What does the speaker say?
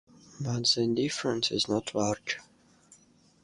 But the difference is not large.